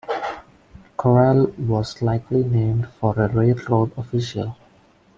Correll was likely named for a railroad official.